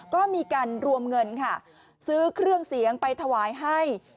ก็มีการรวมเงินค่ะซื้อเครื่องเสียงไปถวายให้